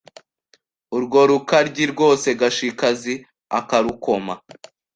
Urwo Rukaryi rwose Gashikazi akarukoma,